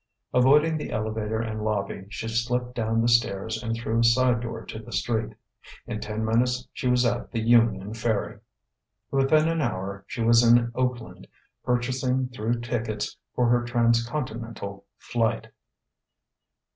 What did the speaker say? Avoiding the elevator and lobby, she slipped down the stairs and through a side door to the street. In ten minutes she was at the Union Ferry. Within an hour she was in Oakland, purchasing through tickets for her transcontinental flight.